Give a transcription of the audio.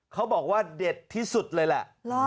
เขาบอกว่าเด็ดที่สุดเลยแหละ